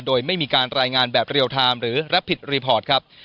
โดยไม่มีการรายงานแบบเรียลไทม์หรือรับผิดรีพอร์ตครับ